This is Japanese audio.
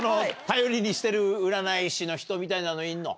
頼りにしてる占い師の人みたいなのいるの？